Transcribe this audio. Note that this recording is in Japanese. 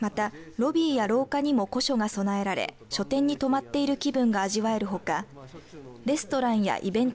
ロビーや廊下にも古書が備えられ書店に泊まっている気分が味わえるほかレストランやイベント